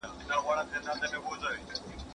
¬ له کوڅه دربي سپي مه بېرېږه.